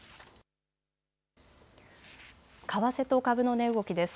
為替と株の値動きです。